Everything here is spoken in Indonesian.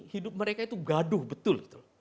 hidup mereka itu gaduh betul